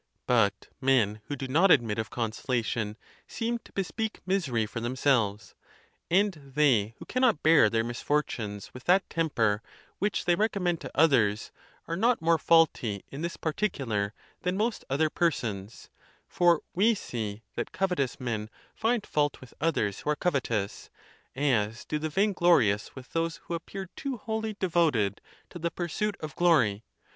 But men who do not admit of consolation seem to bespeak misery for themselves ; and they who can not bear their misfortunes with that temper which they recommend to others are not more faulty in this particu lar than most other persons; for we see that covetous men find fault with others who are covetous, as do the vainglorious with those who appear too wholly devoted to the pursuit of glory.